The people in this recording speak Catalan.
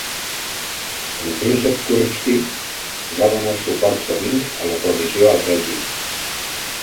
El príncep Kurbsky va donar suport sovint a l'oposició al règim.